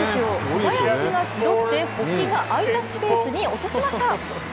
小林が拾って、保木が空いたスペースに落としました。